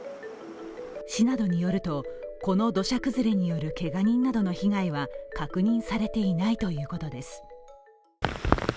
市などによると、この土砂崩れによるけが人などの被害は確認されていないということです。